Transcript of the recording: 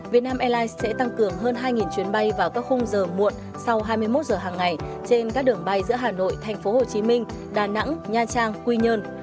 vietnam airlines sẽ tăng cường hơn hai chuyến bay vào các khu giờ muộn sau hai mươi một h hàng ngày trên các đường bay giữa hà nội tp hcm đà nẵng nha trang quy nhơn